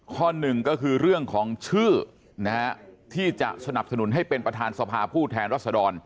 ข้อหนึ่งก็คือเรื่องของชื่อนะฮะที่จะสนับสนุนให้เป็นประธานสภาผู้แทนรัศดร